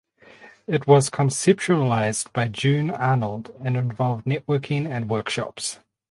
It was conceptualized by June Arnold and involved networking and workshops.